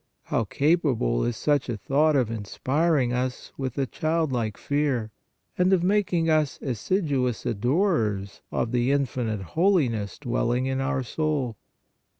How capable is such a thought of inspiring us with THE PRESENCE OF GOD 173 a childlike fear, and of making us assiduous adorers of the infinite Holiness dwelling in our soul